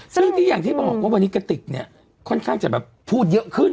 ซึ่งที่อย่างที่บอกว่าวันนี้กระติกเนี่ยค่อนข้างจะแบบพูดเยอะขึ้น